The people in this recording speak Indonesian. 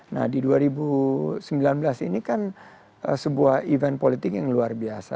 nah di dua ribu sembilan belas ini kan sebuah event politik yang luar biasa